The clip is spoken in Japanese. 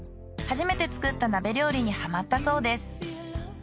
初めて作った鍋料理にハマったそうです。